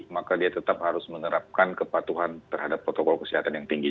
maka dia tetap harus menerapkan kepatuhan terhadap protokol kesehatan yang tinggi